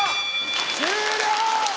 終了！